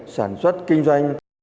sản xuất kinh doanh